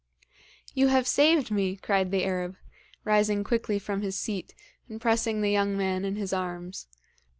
'You have saved me!' cried the Arab, rising quickly from his seat, and pressing the young man in his arms.